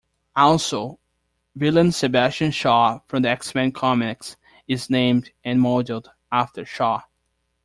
Also, villain Sebastian Shaw from the X-Men comics is named and modelled after Shaw.